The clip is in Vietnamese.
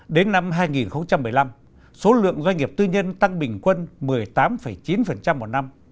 đến năm hai nghìn một mươi năm số lượng doanh nghiệp tư nhân tăng bình quân một mươi tám chín một năm